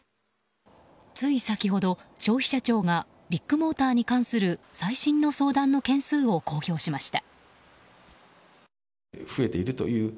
つい先ほど消費者庁がビッグモーターに関する最新の相談の件数を公表しました。